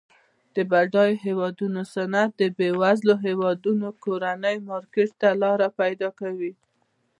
د بډایه هیوادونو صنعت د بیوزله هیوادونو کورني مارکیټ ته لار پیداکوي.